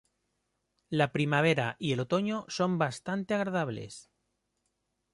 La primavera y el otoño son bastante agradables.